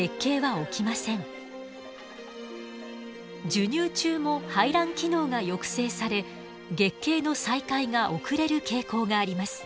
授乳中も排卵機能が抑制され月経の再開が遅れる傾向があります。